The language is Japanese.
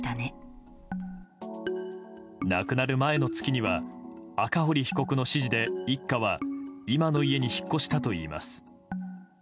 亡くなる前の月には赤堀被告の指示で一家は今の家に引っ越したといいます。